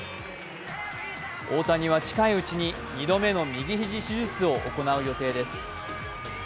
大谷は近いうちに２度目の右肘手術を行う予定です。